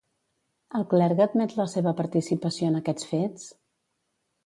El clergue admet la seva participació en aquests fets?